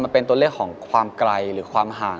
มันเป็นตัวเลขของความไกลหรือความห่าง